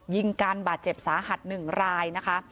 ยิงการบาดเจ็บสาหัส๑รายนะคะ